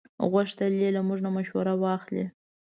غوښتل یې له موږ نه مشوره واخلي.